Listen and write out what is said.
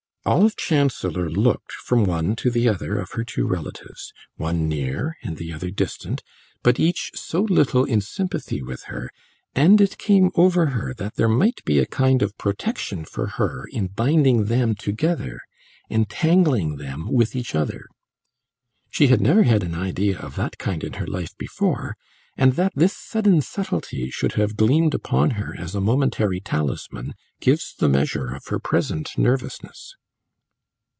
Olive Chancellor looked from one to the other of her two relatives, one near and the other distant, but each so little in sympathy with her, and it came over her that there might be a kind of protection for her in binding them together, entangling them with each other. She had never had an idea of that kind in her life before, and that this sudden subtlety should have gleamed upon her as a momentary talisman gives the measure of her present nervousness.